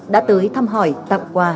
đã tới thăm hỏi tặng quà